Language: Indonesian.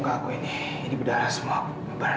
kamu babes berantem sama perempuannya